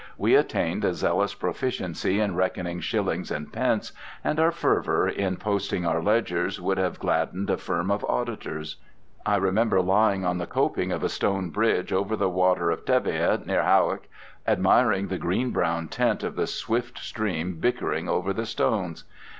We attained a zealous proficiency in reckoning shillings and pence, and our fervour in posting our ledgers would have gladdened a firm of auditors. I remember lying on the coping of a stone bridge over the water of Teviot near Hawick, admiring the green brown tint of the swift stream bickering over the stones.